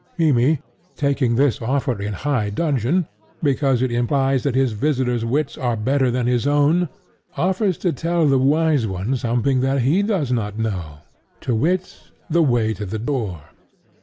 Mimmy, taking this offer in high dudgeon, because it implies that his visitor's wits are better than his own, offers to tell the wise one something that HE does not know: to wit, the way to the door.